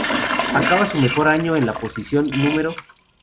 Acaba su mejor año en la posición No.